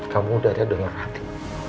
kamu udah ada dolar hati